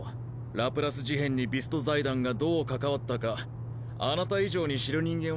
ラプラス事変に「ビスト財団」がどう関わったかあなた以上に知る人間はほかに。